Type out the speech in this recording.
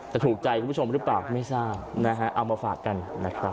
ถูกใจคุณผู้ชมหรือเปล่าไม่ทราบนะฮะเอามาฝากกันนะครับ